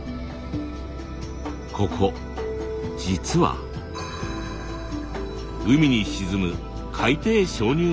ここ実は海に沈む海底鍾乳洞なんです。